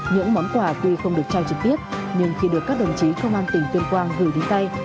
những món quà tuy không được trao trực tiếp nhưng khi được các đồng chí công an tỉnh tuyên quang gửi đến tay